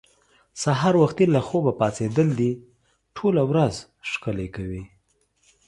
سهار وختي له خوبه پاڅېدل دې ټوله ورځ ښکلې کوي.